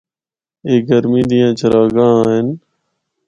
اے گرمیاں دیاں چراگاہاں ہن۔